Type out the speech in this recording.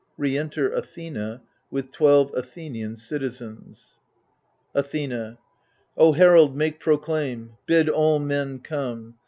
[Re enter Athenoy with twelve Athenian citizens. Athena O herald, make proclaim, bid all men come.